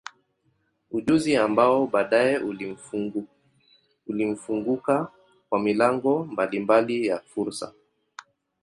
Ujuzi ambao baadaye ulimfunguka kwa milango mbalimbali ya fursa.